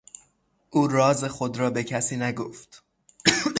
او راز خود را به کسی نگفت.